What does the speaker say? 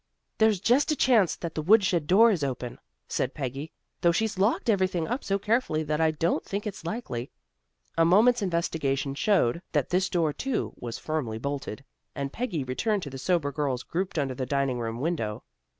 "There's just a chance that the woodshed door is open," said Peggy. "Though she's locked everything up so carefully that I don't think it's likely." A moment's investigation showed that this door, too, was firmly bolted, and Peggy returned to the sober girls grouped under the dining room window.